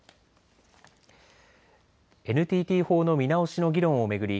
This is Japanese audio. ＮＴＴ法の見直しの議論を巡り